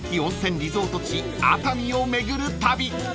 リゾート地熱海を巡る旅］